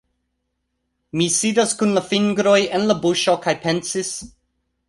Mi sidas kun la fingroj en la buŝo kaj pensis